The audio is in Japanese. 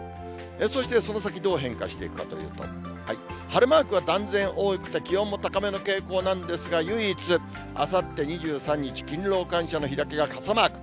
そしてその先どう変化していくかというと、晴れマークは断然多くて、気温も高めの傾向なんですが、唯一、あさって２３日、勤労感謝の日だけが傘マーク。